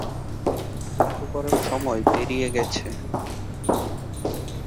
দুঃখ করার সময় পেরিয়ে গেছে।